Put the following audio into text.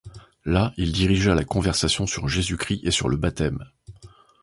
Là il dirigea la conversation sur Jésus-Christ et sur le baptême.